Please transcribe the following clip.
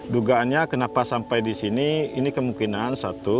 dugaannya kenapa sampai di sini ini kemungkinan satu